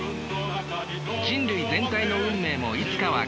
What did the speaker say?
人類全体の運命もいつかは消える。